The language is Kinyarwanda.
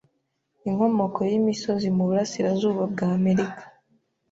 Inkomoko y'imisozi mu burasirazuba bwa Amerika